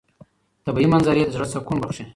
طبیعي منظرې د زړه سکون بښي.